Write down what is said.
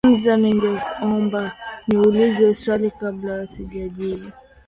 nza ningeomba ni ulize swali kabla sijajibu